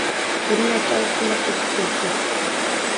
بىر نەچچە ئاي شۇنداق ئۆتۈپ كەتتى.